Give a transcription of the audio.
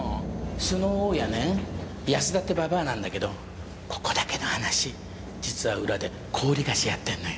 その大家ね安田ってババアなんだけどここだけの話実は裏で高利貸しやってんのよ。